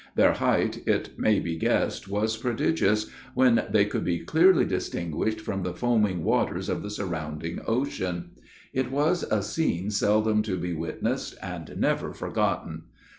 Their height, it may be guessed, was prodigious, when they could be clearly distinguished from the foaming waters of the surrounded ocean. It was a scene seldom to be witnessed, and never forgotten!